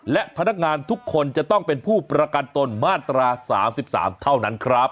และพนักงานทุกคนจะต้องเป็นผู้ประกันตนมาตรา๓๓เท่านั้นครับ